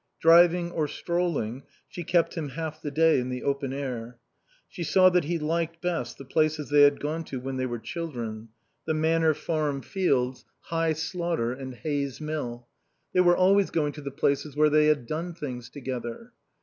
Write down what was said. Driving or strolling, she kept him half the day in the open air. She saw that he liked best the places they had gone to when they were children the Manor Farm fields, High Slaughter, and Hayes Mill. They were always going to the places where they had done things together.